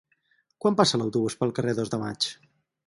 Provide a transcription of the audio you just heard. Quan passa l'autobús pel carrer Dos de Maig?